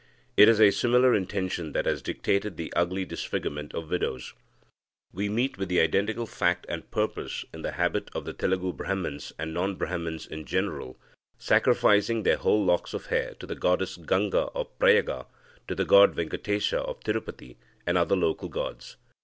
It is a similar intention that has dictated the ugly disfigurement of widows. We meet with the identical fact and purpose in the habit of Telugu Brahmans and non Brahmans in general, sacrificing their whole locks of hair to the goddess Ganga of Prayaga, to the god Venkatesa of Tirupati, and other local gods.